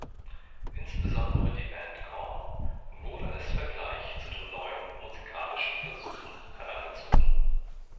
Insbesondere die Band Korn wurde als Vergleich zu den neuen musikalischen Versuchen herangezogen.